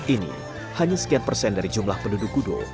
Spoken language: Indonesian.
ini hanya sekian persen dari jumlah penduduk gudo